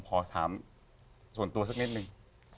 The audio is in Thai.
ขอถามส่วนตัวสักนิดนึง